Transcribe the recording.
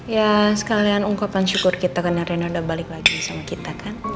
ya sekalian ungkapan syukur kita karena reno udah balik lagi sama kita kan